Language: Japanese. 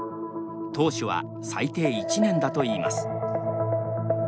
投手は最低１年だといいます。